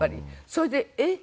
それでえっ